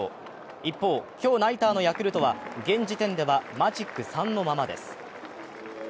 一方、今日ナイターのヤクルトは現時点ではマジック３のままです。